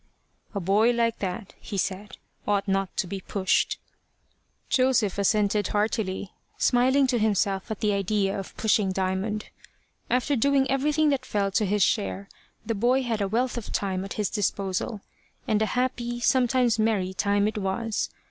"A boy like that," he said, "ought not to be pushed." Joseph assented heartily, smiling to himself at the idea of pushing Diamond. After doing everything that fell to his share, the boy had a wealth of time at his disposal. And a happy, sometimes a merry time it was.